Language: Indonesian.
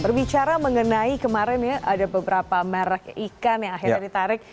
berbicara mengenai kemarin ya ada beberapa merek ikan yang akhirnya ditarik